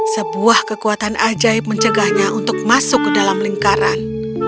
sebuah kekuatan ajaib mencegahnya untuk masuk ke dalam lingkaran